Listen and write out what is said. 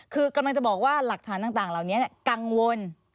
คือกำลังจะบอกว่าหลักฐานต่างเหล่านี้กังวล